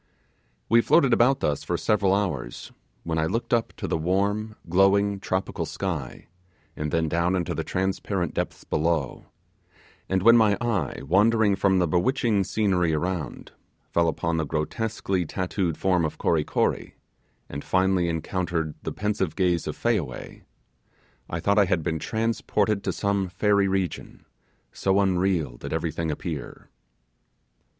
We floated about thus for several hours, when I looked up to the warm, glowing, tropical sky, and then down into the transparent depths below; and when my eye, wandering from the bewitching scenery around, fell upon the grotesquely tattooed form of Kory Kory, and finally, encountered the pensive gaze of Fayaway, I thought I had been transported to some fairy region, so unreal did everything appear.